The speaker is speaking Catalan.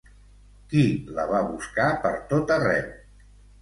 Qui la va buscar per tot arreu?